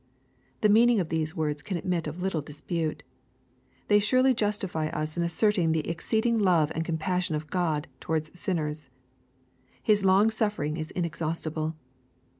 *' The meaning of these words can admit of little dispute. Thoy surely justify us in asserting the exceeding love and compassion of God towards sinner^. His long suflfering is inexhaustible.